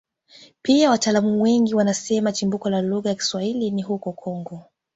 Pia wataalamu wengine wanasema chimbuko la lugha ya Kiswahili ni huko Kongo